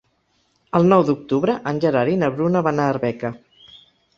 El nou d'octubre en Gerard i na Bruna van a Arbeca.